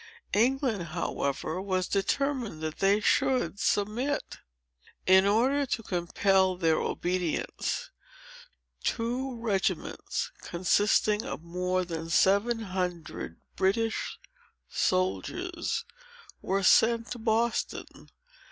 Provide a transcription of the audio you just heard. England, however, was determined that they should submit. In order to compel their obedience, two regiments, consisting of more than seven hundred British soldiers, were sent to Boston.